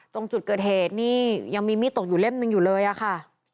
ตรงจุดเกิดเหตุนี่ยังมีมีดตกอยู่เล่มหนึ่งอยู่เลยอะค่ะ